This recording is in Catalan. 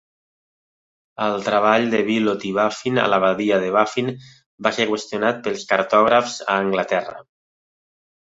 El treball de Bylot i Baffin a la badia de Baffin va ser qüestionat pels cartògrafs a Anglaterra.